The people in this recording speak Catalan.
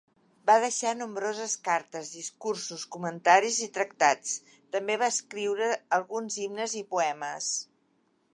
Va deixar nombroses cartes, discursos, comentaris i tractats; també va escriure alguns himnes i poemes.